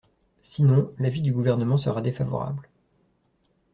Sinon, l’avis du Gouvernement sera défavorable.